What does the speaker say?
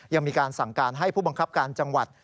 ยังมีการสั่งการให้ผู้บังคับการจังหวัด